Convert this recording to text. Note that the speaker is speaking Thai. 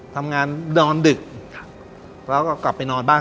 นอนดึกแล้วก็กลับไปนอนบ้าน